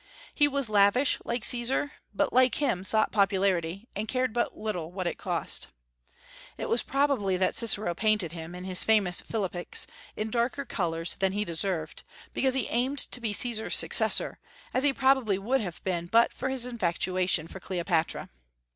He was lavish, like Caesar, but, like him, sought popularity, and cared but little what it cost. It is probable that Cicero painted him, in his famous philippics, in darker colors than he deserved, because he aimed to be Caesar's successor, as he probably would have been but for his infatuation for Cleopatra.